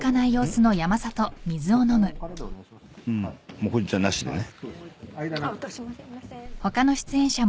もうこっちはなしでね。